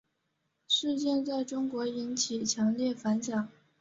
事件在中国引起强烈反响。